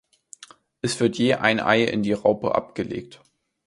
Es wird je ein Ei in die Raupe abgelegt.